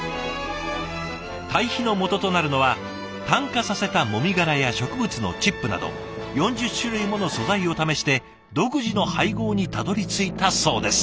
堆肥のもととなるのは炭化させたもみ殻や植物のチップなど４０種類もの素材を試して独自の配合にたどりついたそうです。